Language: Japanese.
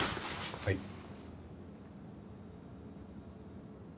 はい。